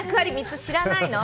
３つ知らないの？